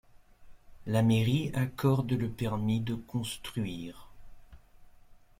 La mairie accorde le permis de construire.